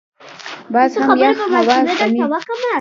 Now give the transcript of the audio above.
باز هم یخ هوا زغمي